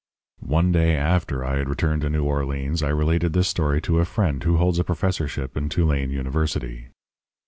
"One day after I had returned to New Orleans I related this story to a friend who holds a professorship in Tulane University.